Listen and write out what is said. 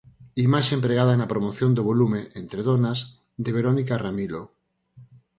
Imaxe empregada na promoción do volume 'Entre Donas', de Verónica Ramilo.